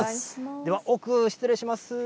では、奥、失礼します。